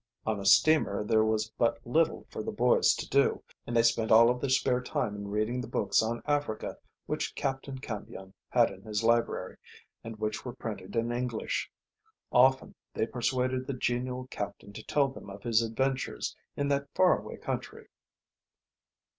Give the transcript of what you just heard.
On a steamer there was but little for the boys to do, and they spent all of their spare time in reading the books on Africa which Captain Cambion had in his library, and which were printed in English. Often they persuaded the genial captain to tell them of his adventures in that far away country.